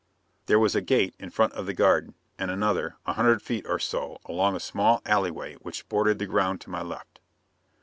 There was a gate in front of the garden, and another, a hundred feet or to along a small alleyway which bordered the ground to my left.